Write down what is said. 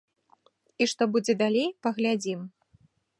А што будзе далей, паглядзім.